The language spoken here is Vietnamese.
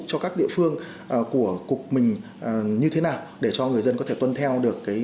cho các địa phương của cục mình như thế nào để cho người dân có thể tuân theo được